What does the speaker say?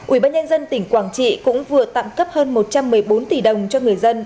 ủy ban nhân dân tỉnh quảng trị cũng vừa tạm cấp hơn một trăm một mươi bốn tỷ đồng cho người dân